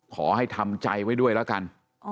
ขอให้ทำใจไว้ด้วยแล้วกัน